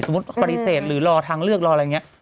ปฏิเสธหรือรอทางเลือกรออะไรอย่างนี้